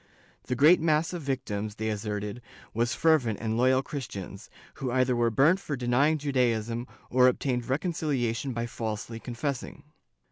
The great mass of victims, they asserted, were fervent and loyal Christians, who either were burnt for denying Judaism or obtained reconciliation by falsely confessing.